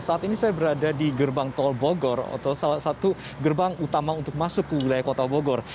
saat ini saya berada di gerbang tol bogor atau salah satu gerbang utama untuk masuk ke wilayah kota bogor